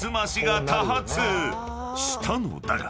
［したのだが］